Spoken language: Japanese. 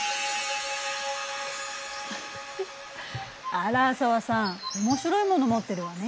あら紗和さん面白いもの持ってるわね。